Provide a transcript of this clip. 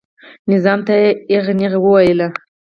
نظام ته یې ایغه نیغه وویله.